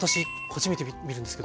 初めて見るんですけど。